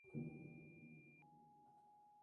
Hay muchos eventos y festivales durante todo el año.